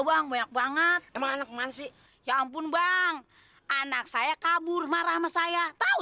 bang banyak banget emang anak mansi ya ampun bang anak saya kabur marah sama saya tahu